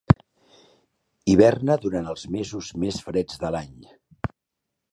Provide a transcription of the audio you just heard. Hiberna durant els mesos més freds de l'any.